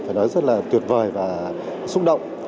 phải nói rất là tuyệt vời và xúc động